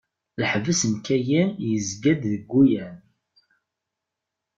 Lḥebs n Kayan yezga-deg Guyane.